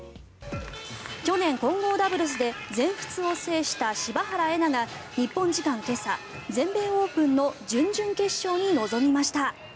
去年、混合ダブルスで全仏を制した柴原瑛菜が日本時間今朝、全米オープンの準々決勝に臨みました。